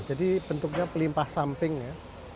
jadi bentuknya pelimpah samping ya